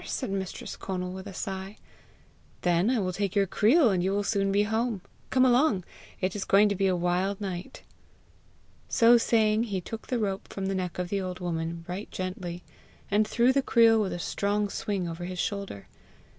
said mistress Conal with a sigh. "Then I will take your creel, and you will soon be home. Come along! It is going to be a wild night!" So saying he took the rope from the neck of the old woman right gently, and threw the creel with a strong swing over his shoulder.